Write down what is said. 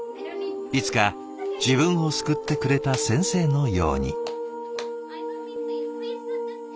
いつか自分を救ってくれた先生のように。